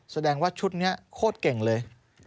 แสดงว่าชุดนี้โคตรเก่งเลย